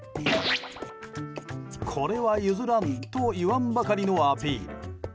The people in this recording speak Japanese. これは譲らん！と言わんばかりのアピール。